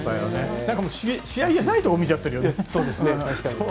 試合じゃないところを見ちゃってるよね。